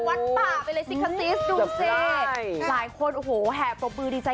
วัดป่าไปเลยสิคะซิสดูสิหลายคนโอ้โหแห่ปรบมือดีใจ